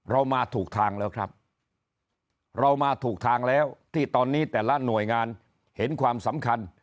เรามาถูกทางแล้วครับเรามาถูกทางแล้วที่ตอนนี้แต่ละหน่วยงานเห็นความสำคัญ